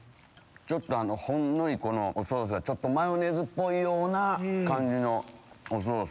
ほんのりこのおソースがマヨネーズっぽいような感じのおソースで。